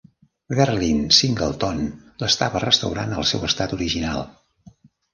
Verlin Singleton l'estava restaurant al seu estat original.